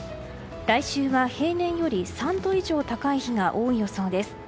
来週は平年より３度以上高い日が多い予想です。